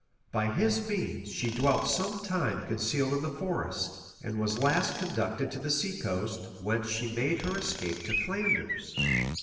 [*] By his means she dwelt some time concealed in the forest, and was at last conducted to the sea coast, whence she made her escape into Flanders.